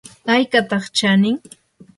¿aykataq chanin?